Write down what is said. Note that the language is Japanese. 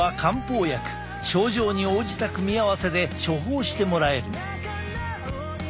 症状に応じた組み合わせで処方してもらえる。